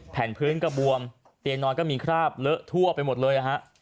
แผ่นพื้นกระบวมเตียงนอนก็มีคราบเลอะทั่วไปหมดเลยนะฮะ